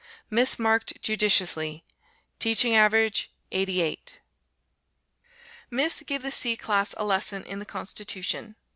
Miss marked judiciously. Teaching average 88. Miss gave the C class a lesson in the Constitution.